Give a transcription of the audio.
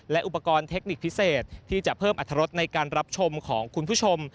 และอุปกรณ์เทคนิคพิเศษที่จะเพิ่มอัตรรสในการรับชมของคุณผู้ชม